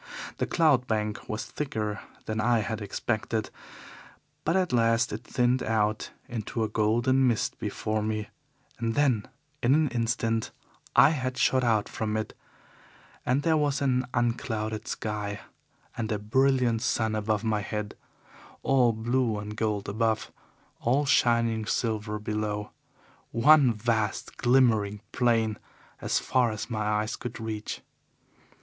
The cloud bank was thicker than I had expected, but at last it thinned out into a golden mist before me, and then in an instant I had shot out from it, and there was an unclouded sky and a brilliant sun above my head all blue and gold above, all shining silver below, one vast, glimmering plain as far as my eyes could reach.